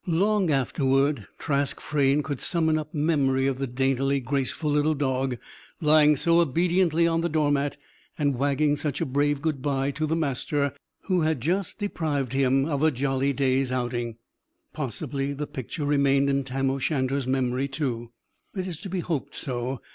Long afterward, Trask Frayne could summon up memory of the daintily graceful little dog, lying so obediently on the doormat and wagging such a brave goodbye to the master who had just deprived him of a jolly day's outing. Possibly the picture remained in Tam o' Shanter's memory, too. It is to be hoped so.